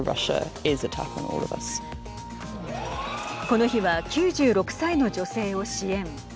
この日は９６歳の女性を支援。